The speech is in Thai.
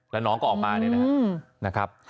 แล้วน้องก็ออกมาเนี่ยนะครับ